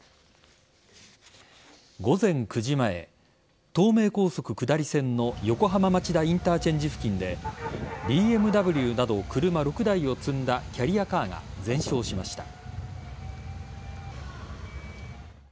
午前９時前東名高速下り線の横浜町田インターチェンジ付近でＢＭＷなど車６台を積んだキャリアカーが全焼しました。